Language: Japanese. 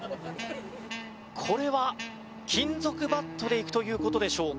これは金属バットでいくという事でしょうか？